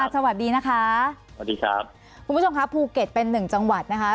สวัสดีนะคะสวัสดีครับคุณผู้ชมครับภูเก็ตเป็นหนึ่งจังหวัดนะคะ